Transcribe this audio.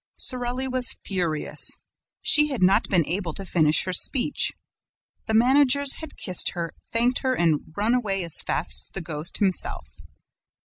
Sorelli was furious; she had not been able to finish her speech; the managers, had kissed her, thanked her and run away as fast as the ghost himself.